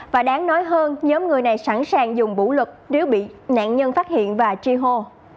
và đáng nói hơn nhóm người này sẵn sàng dùng vũ lực nếu bị nạn nhân phát hiện và tri hô